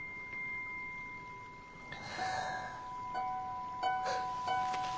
はあ。